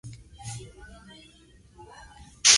El color de la placa es rojo claro.